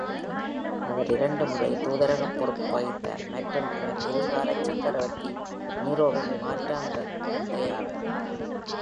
அவர் இரண்டு முறை தூதரகப் பொறுப்பு வகித்தார், மற்றும் அவர் எதிர்காலச் சக்கரவர்த்தி நீரோவின் மாற்றாந்தந்தை ஆவார்.